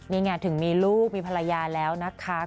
นี่ไงถึงมีลูกมีภรรยาแล้วนะคะ